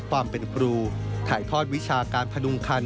ความเป็นครูถ่ายทอดวิชาการพนุงคัน